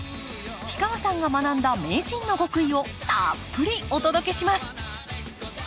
氷川さんが学んだ名人の極意をたっぷりお届けします